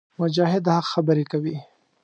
مجاهد د حق خبرې کوي.